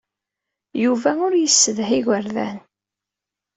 Yuba ur yessedha igerdan.